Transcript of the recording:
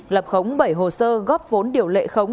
lập khống bảy hồ sơ góp vốn điều lệ khống